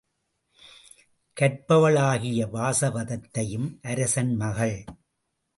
கற்பவளாகிய வாசவதத்தையும் அரசன் மகள்.